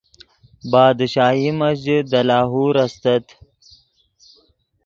بادشاہی مسجد دے لاہور استت